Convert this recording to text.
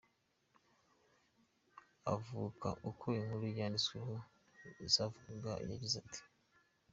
Avuga uko inkuru yanditsweho zavugaga, yagize ati:.